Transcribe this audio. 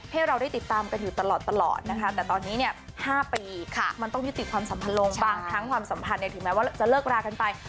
ให้เราได้ติดตามกันอยู่ตลอดนะคะแต่ตอนนี้เนี่ย๕ปีมันต้องยุติความสัมพันธ์ลงบางทั้งความสัมพันธ์ถึงแม้ว่าจะเลิกรากันไป